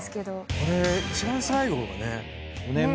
これ一番最後がね。